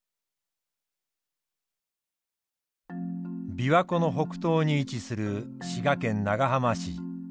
琵琶湖の北東に位置する滋賀県長浜市。